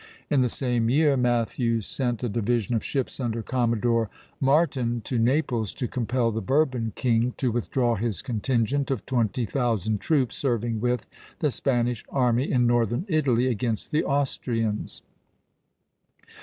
In the same year Matthews sent a division of ships under Commodore Martin to Naples, to compel the Bourbon king to withdraw his contingent of twenty thousand troops serving with the Spanish army in northern Italy against the Austrians.